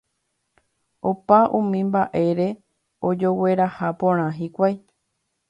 Opa umi mba'ére ojogueraha porã hikuái.